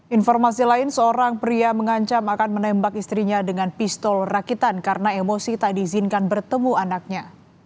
informasi lain seorang pria mengancam akan menembak istrinya dengan pistol rakitan karena emosi tak diizinkan bertemu anaknya